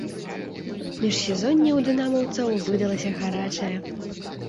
Міжсезонне ў дынамаўцаў выдалася гарачае.